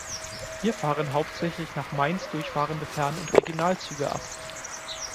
Hier fahren hauptsächlich nach Mainz durchfahrende Fern- und Regionalzüge ab.